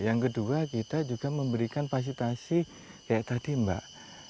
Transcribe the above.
yang kedua kita juga memberikan fasilitasi kayak tadi mbak